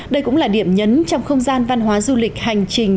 đây cũng là điểm nhấn trong không gian văn hóa du lịch hành trình